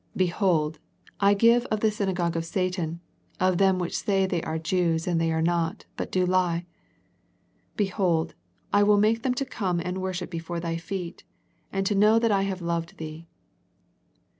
^' Behold, I give of the syna gogue of Satan, of them which say they are Jews, and they are not, but do lie; behold, I will make them to come and worship before thy feet, and to know that I have loved thee."